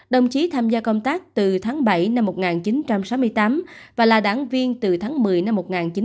đồng chí tham gia công tác từ tháng bảy năm một nghìn chín trăm sáu mươi tám và là đảng viên từ tháng một mươi năm một nghìn chín trăm bảy mươi